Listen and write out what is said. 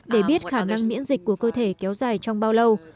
để biết khả năng miễn dịch của cơ thể kéo dài trong bao lâu